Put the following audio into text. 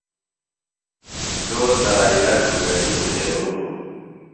چور درائِیا ڇُھوگلیۡ اُڈھیوِلوۡ۔